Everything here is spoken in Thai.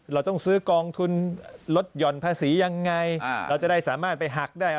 เราต้องซื้อกองทุนลดหย่อนภาษียังไงเราจะได้สามารถไปหักได้